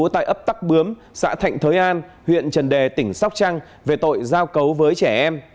tại ấp tắc bướm xã thạnh thới an huyện trần đề tỉnh sóc trăng về tội giao cấu với trẻ em